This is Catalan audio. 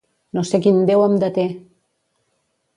No sé quin Déu em deté!